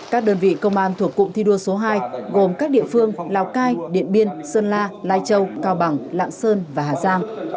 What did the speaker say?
các đơn vị công an thuộc cụm thi đua số hai gồm các địa phương lào cai điện biên sơn la lai châu cao bằng lạng sơn và hà giang